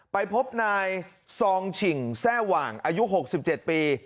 ไปพบนายซองฉิงแซ่ว่างอายุหกสิบเจ็ดปี